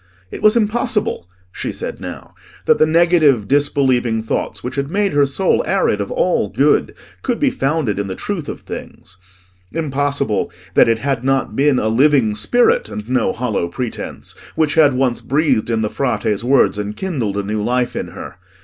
It was impossible, she said now, that the negative disbelieving thoughts which had made her soul arid of all good, could be founded in the truth of things: impossible that it had not been a living spirit, and no hollow pretence, which had once breathed in the Frate's words, and kindled a new life in her.